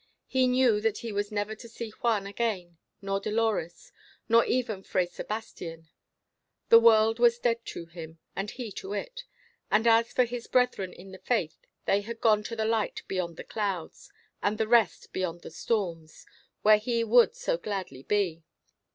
He knew that he was never to see Juan again, nor Dolores, nor even Fray Sebastian. The world was dead to him, and he to it. And as for his brethren in the faith, they had gone "to the light beyond the clouds, and the rest beyond the storms," where he would so gladly be.